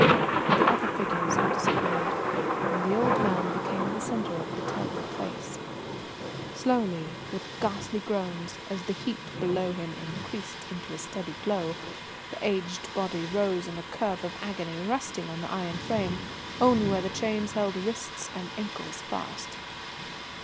The other figures had disappeared, and the old man became the centre of the terrible picture. Slowly, with ghastly groans; as the heat below him increased into a steady glow, the aged body rose in a curve of agony, resting on the iron frame only where the chains held wrists and ankles fast.